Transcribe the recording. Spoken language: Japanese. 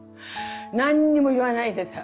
何にも言わないでさ。